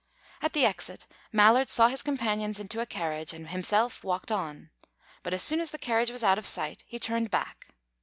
At the exit, Mallard saw his companions into a carriage, and himself walked on; but as soon as the carriage was out of sight, he turned back.